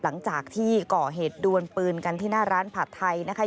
หลังจากที่ก่อเหตุดวนปืนกันที่หน้าร้านผัดไทยนะคะ